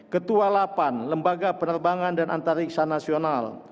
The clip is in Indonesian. ketua delapan lembaga penerbangan dan antariksa nasional